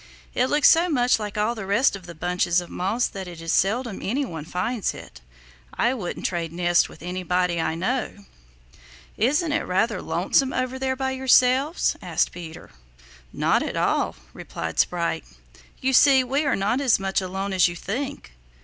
It looks so much like all the rest of the bunches of moss that it is seldom any one finds it. I wouldn't trade nests with anybody I know." "Isn't it rather lonesome over here by yourselves?" asked Peter. "Not at all," replied Sprite. "You see, we are not as much alone as you think.